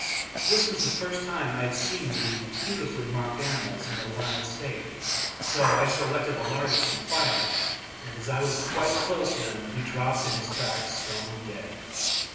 This was the first time I had seen these beautifully marked animals in their wild state, so I selected the largest and fired, and as I was quite close to them he dropped in his tracks stone dead.